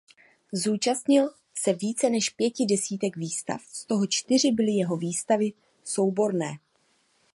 Zúčastnil se více než pěti desítek výstav z toho čtyři byly jeho výstavy souborné.